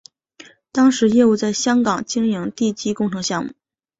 当时业务在香港经营地基工程项目。